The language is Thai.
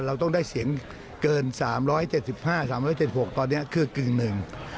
เราต้องได้เสียงเกิน๓๗๕๓๗๖ตอนนี้คือกึ่งหนึ่ง